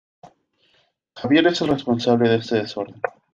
¡Javier es el responsable de este desorden!